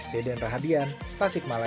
deden rahadian tasik malaya